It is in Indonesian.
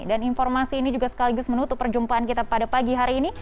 dan informasi ini juga sekaligus menutup perjumpaan kita pada pagi hari ini